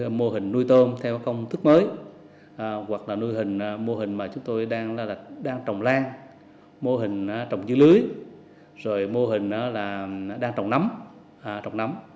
ví dụ như là mô hình nuôi tô theo công thức mới hoặc là nuôi hình mô hình mà chúng tôi đang trồng lan mô hình trồng dưới lưới rồi mô hình đang trồng nấm